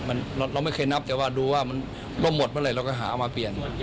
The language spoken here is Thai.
มันเราไม่เคยนับแต่ว่าดูว่ามันร่มหมดมาเลยเราก็หามาเปลี่ยน